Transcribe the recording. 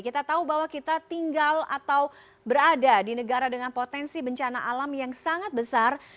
kita tahu bahwa kita tinggal atau berada di negara dengan potensi bencana alam yang sangat besar